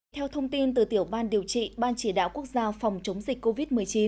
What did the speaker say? theo thông tin từ tiểu ban điều trị ban chỉ đạo quốc gia phòng chống dịch covid một mươi chín